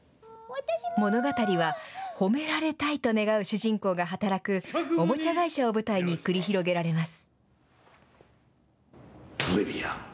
物語は、褒められたいと願う主人公が働く、おもちゃ会社を舞台に繰り広げられます。